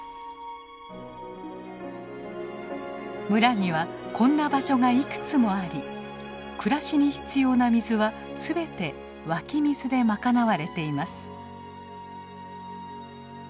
村にはこんな場所がいくつもあり暮らしに必要な水は全て湧き水で賄われています。